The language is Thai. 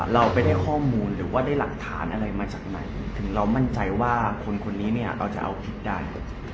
เราไปได้ข้อมูลหรือว่าได้หลักฐานอะไรมาจากไหนถึงเรามั่นใจว่าคนคนนี้เนี่ยเราจะเอาผิดได้